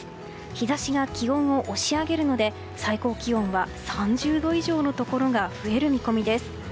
日差しが気温を押し上げるので最高気温は３０度以上のところが増える見込みです。